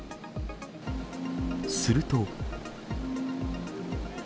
すると。